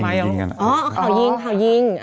มาสิ่งเดียว